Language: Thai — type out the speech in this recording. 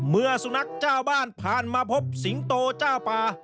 เมื่อสุนัขเจ้าบ้านผ่านมาพบสิงโตเจ้าป่า